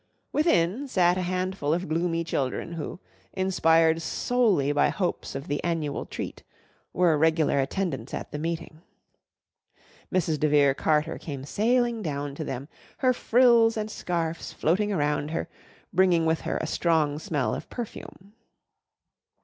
Within sat a handful of gloomy children who, inspired solely by hopes of the annual treat, were regular attendants at the meeting. Mrs. de Vere Carter came sailing down to them, her frills and scarfs floating around her, bringing with her a strong smell of perfume.